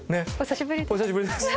お久しぶりです。